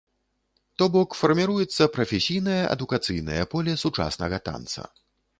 То бок, фарміруецца прафесійнае, адукацыйнае поле сучаснага танца.